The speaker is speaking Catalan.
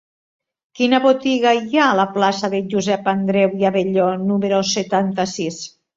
Quina botiga hi ha a la plaça de Josep Andreu i Abelló número setanta-sis?